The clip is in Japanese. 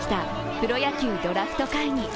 プロ野球ドラフト会議。